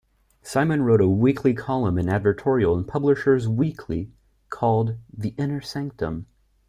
Simon wrote a weekly column and advertorial in Publisher's Weekly called the Inner Sanctum.